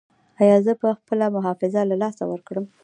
ایا زه به خپله حافظه له لاسه ورکړم؟